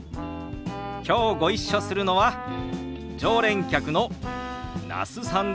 きょうご一緒するのは常連客の那須さんですよ。